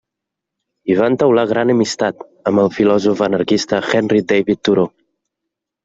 Hi va entaular gran amistat amb el filòsof anarquista Henry David Thoreau.